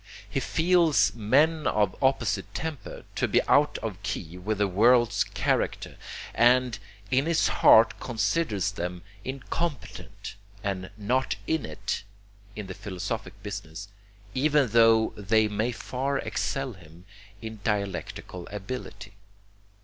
He feels men of opposite temper to be out of key with the world's character, and in his heart considers them incompetent and 'not in it,' in the philosophic business, even tho they may far excel him in dialectical ability.